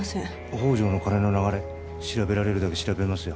宝条の金の流れ調べられるだけ調べますよ